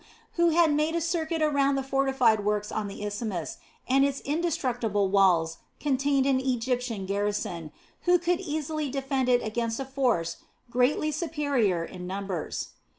] who had made a circuit around the fortified works on the isthmus, and its indestructible walls contained an Egyptian garrison, who could easily defend it against a force greatly superior in numbers.